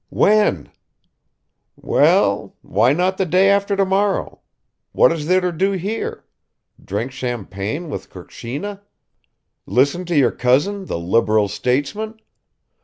"When?" "Well, why not the day after tomorrow. What is there to do here? Drink champagne with Kukshina? Listen to your cousin, the liberal statesman?